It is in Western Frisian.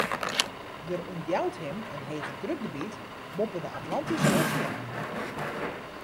Der ûntjout him in hegedrukgebiet boppe de Atlantyske Oseaan.